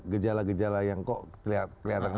gejala gejala yang kok kelihatan